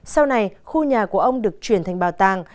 sau này khu nhà của ông được chuyển thành bảo tàng